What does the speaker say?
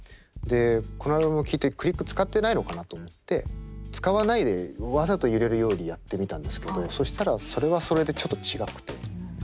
でこのアルバムを聴いてクリック使ってないのかなと思って使わないでわざと揺れるようにやってみたんですけどそしたらそれはそれでちょっと違くて。